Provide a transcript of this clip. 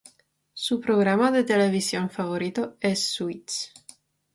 Su programa de televisión favorito es "Suits".